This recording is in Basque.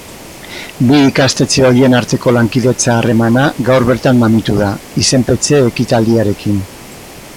Bi ikastetxe horien arteko lankidetza-harremana gaur bertan mamitu da, izenpetze ekitaldiarekin.